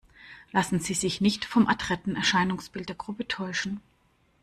Lassen Sie sich nicht vom adretten Erscheinungsbild der Gruppe täuschen!